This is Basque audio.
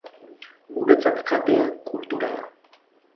Guretzat jatea kultura da.